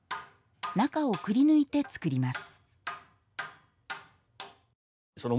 中をくりぬいて作ります。